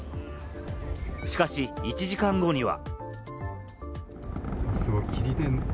しかし１時間後には。